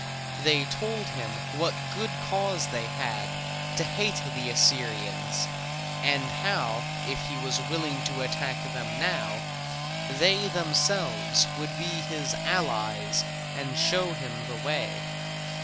They told him what good cause they had to hate the Assyrians, and how if he was willing to attack them now, they themselves would be his allies and show him the way.